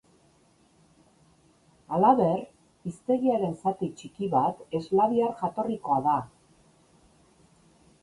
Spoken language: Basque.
Halaber, hiztegiaren zati txiki bat eslaviar jatorrikoa da.